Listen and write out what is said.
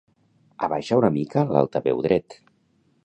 Abaixa una mica l'altaveu dret.